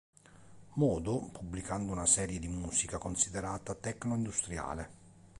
Modo, pubblicando una serie di musica considerata techno industriale.